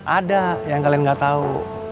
ada yang kalian gak tau